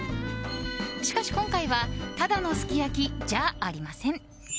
しかし今回はただのすき焼きじゃありません。